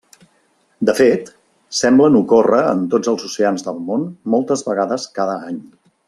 De fet, semblen ocórrer en tots els oceans del món moltes vegades cada any.